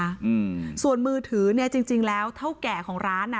อืมส่วนมือถือเนี้ยจริงจริงแล้วเท่าแก่ของร้านอ่ะ